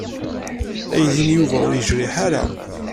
Aydi n Yuba ur yejriḥ ara.